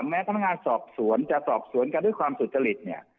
แม้พนักงานสอบสวนจะสอบสวนกันด้วยความสุจริตเนี่ย